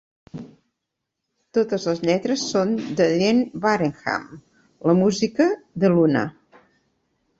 Totes les lletres són de Dean Wareham, la música, de Luna.